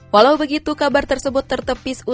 walau begitu kabar tersebut tertepis